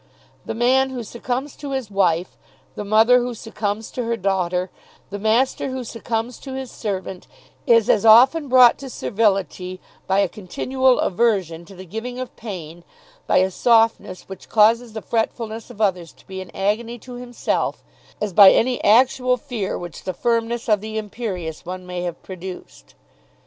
The man who succumbs to his wife, the mother who succumbs to her daughter, the master who succumbs to his servant, is as often brought to servility by a continual aversion to the giving of pain, by a softness which causes the fretfulness of others to be an agony to himself, as by any actual fear which the firmness of the imperious one may have produced.